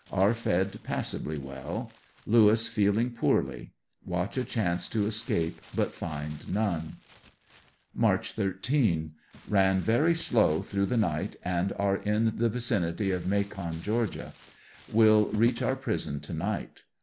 Are fed passably well. Lewis feeling poorly. Watch a chance to escape but find none. March 13. — Ran very slow through thj night, and are in the vicin iny of Macon, Ga. Will reach our prison to night.